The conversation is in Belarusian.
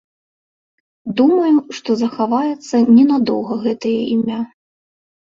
Думаю, што захаваецца ненадоўга гэтае імя.